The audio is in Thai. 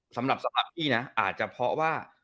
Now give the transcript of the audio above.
สำหรับพี่นะอาจจะเพราะว่า